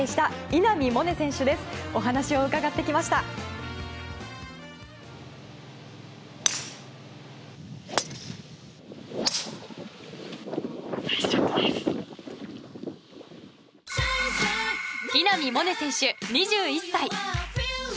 稲見萌寧選手、２１歳。